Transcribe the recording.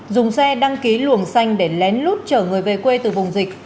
dùng xe đăng ký luồng xanh để lén lút chở người về quê từ vùng dịch